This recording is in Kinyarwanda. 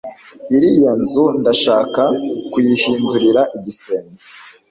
iriya nzu ndashaka kuyihindurira igisenge